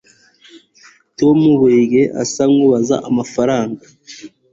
tom burigihe asa nkabuze amafaranga